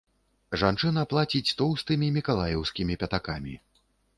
Жанчына плаціць тоўстымі мікалаеўскімі пятакамі.